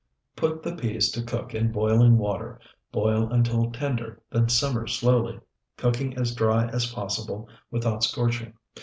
Put the peas to cook in boiling water; boil until tender, then simmer slowly, cooking as dry as possible without scorching.